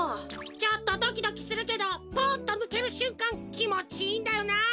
ちょっとドキドキするけどポンッとぬけるしゅんかんきもちいいんだよな！